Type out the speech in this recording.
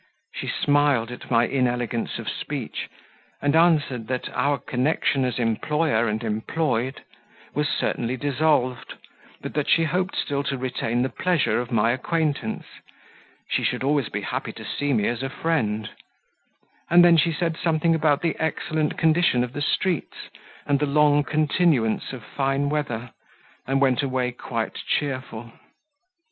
She smiled at my inelegance of speech, and answered that 'our connection as employer and employed was certainly dissolved, but that she hoped still to retain the pleasure of my acquaintance; she should always be happy to see me as a friend;' and then she said something about the excellent condition of the streets, and the long continuance of fine weather, and went away quite cheerful."